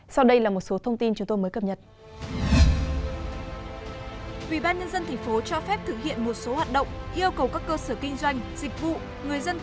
sau đây là một số thông tin chúng tôi mới cập nhật